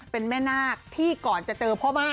เป็นแม่นาคที่ก่อนจะเจอพ่อบ้าบเนี่ย